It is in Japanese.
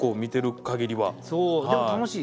でも楽しい。